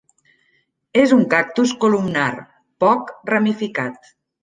És un cactus columnar, poc ramificat.